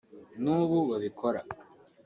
n’ubu babikora